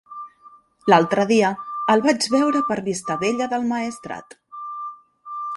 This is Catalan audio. L'altre dia el vaig veure per Vistabella del Maestrat.